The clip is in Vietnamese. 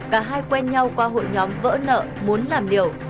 cả hai quen nhau qua hội nhóm vỡ nợ muốn làm liều